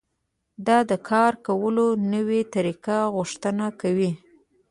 دا د کار کولو د نويو طريقو غوښتنه کوي.